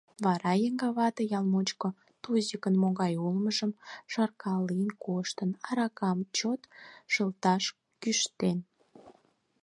Вара еҥгавате ял мучко Тузикын могай улмыжым шаркален коштын, аракам чот шылташ кӱштен.